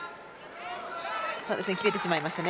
切れてしまいました。